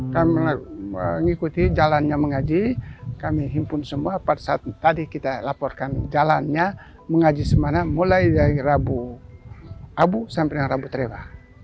kami mengikuti jalannya mengaji kami himpun semua pada saat tadi kita laporkan jalannya mengaji semana mulai dari rabu abu sampai dengan rabu trewa